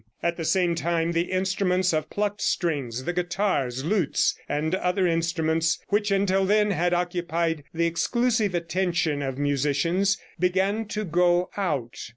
At the same time the instruments of plucked strings the guitars, lutes and other instruments which until then had occupied the exclusive attention of musicians began to go out.